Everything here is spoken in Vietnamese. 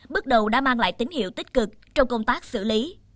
bước đầu đã mang lại tín hiệu tích cực trong công tác xử lý